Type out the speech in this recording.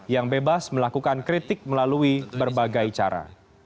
yang bebas melakukan kritik melalui berbagai cara